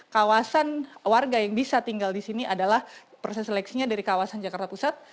kawasan warga yang bisa tinggal di sini adalah proses seleksinya dari kawasan jakarta pusat